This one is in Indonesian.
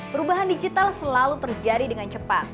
perubahan digital selalu terjadi dengan cepat